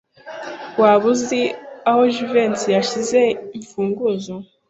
Waba uzi aho Jivency yashyize imfunguzo?